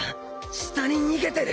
下に逃げてる！